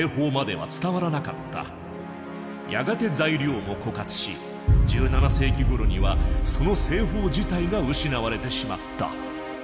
やがて材料も枯渇し１７世紀ごろにはその製法自体が失われてしまった。